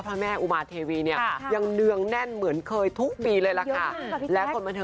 พลังแม่อุมารเทวียังเนื่องแน่นเหมือนเคยทุกปีเลย